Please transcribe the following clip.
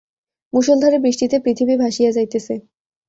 মুষলধারে বৃষ্টিতে পৃথিবী ভাসিয়া যাইতেছে ।